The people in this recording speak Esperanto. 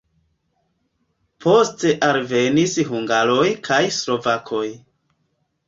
Poste alvenis hungaroj kaj slovakoj.